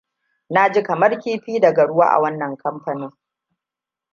Na ji kamar kifi daga ruwa a wannan kamfanin.